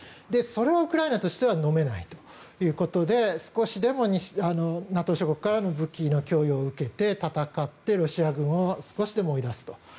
それはウクライナとしてはのめないということで少しでもＮＡＴＯ諸国からの武器の供与を受けて戦ってロシア軍を少しでも追い出すと。